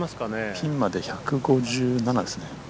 ピンまで１５７ですね。